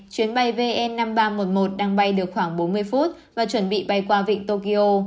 chuyến bay vn năm nghìn ba trăm một mươi một đang bay được khoảng bốn mươi phút và chuẩn bị bay qua vịnh tokyo